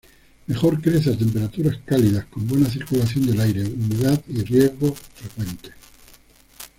Mejor crece a temperaturas cálidas, con buena circulación del aire, humedad y riegos frecuentes.